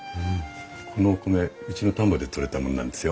このお米うちの田んぼで採れたものなんですよ。